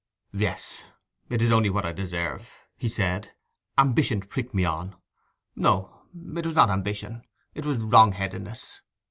'Yes, it is only what I deserve,' he said. 'Ambition pricked me on—no, it was not ambition, it was wrongheadedness!